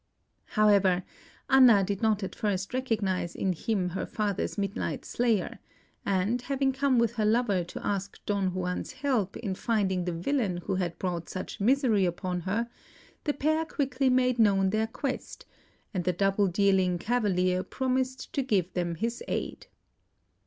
However, Anna did not at first recognise in him her father's midnight slayer; and having come with her lover to ask Don Juan's help in finding the villain who had brought such misery upon her, the pair quickly made known their quest, and the double dealing cavalier promised to give them his aid.